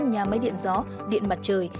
nhà máy điện gió điện mặt trời